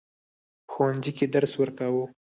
په ښوونځي کې درس ورکاوه.